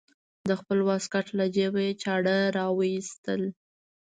د خپل واسکټ له جيبه يې چاړه راوايسته.